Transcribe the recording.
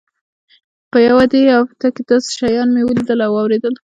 په دې يوه هفته کښې مې داسې شيان وليدل او واورېدل.